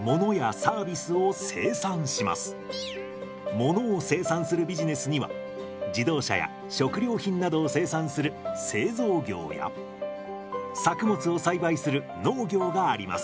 ものを生産するビジネスには自動車や食料品などを生産する製造業や作物を栽培する農業があります。